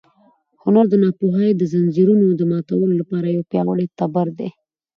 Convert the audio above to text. هنر د ناپوهۍ د ځنځیرونو د ماتولو لپاره یو پیاوړی تبر دی.